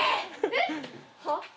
えっはぁ？